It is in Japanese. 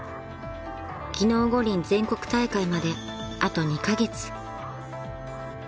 ［技能五輪全国大会まであと２カ月］